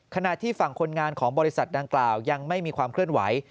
ขณะที่ฝั่งคนงานของบริษัทดังกล่าวยังไม่มีความเคลื่อนไหว